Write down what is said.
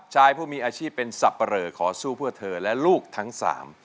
ชายผู้มีอาชีพเป็นสับปะเหลอขอสู้เพื่อเธอและลูกทั้งสาม